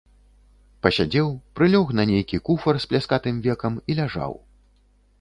Пасядзеў, прылёг на нейкі куфар з пляскатым векам і ляжаў.